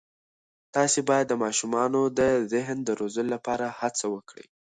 تاسې باید د ماشومانو د ذهن د روزلو لپاره هڅه وکړئ.